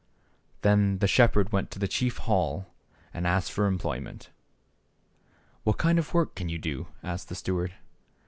Then the shepherd went to the chief hall and "]he Grea t H, ^. 6men f asked for employment. " What kind of work can you do ?" asked the steward.